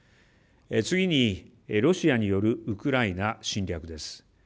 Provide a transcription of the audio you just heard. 次に、ロシアによるウクライナ侵略です。